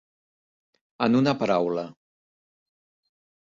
En una paraula.